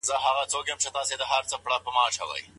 د شتمنۍ د لګولو قانون څه دی؟